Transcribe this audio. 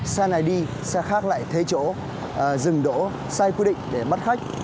xe này đi xe khác lại thế chỗ dừng đỗ sai quy định để mất khách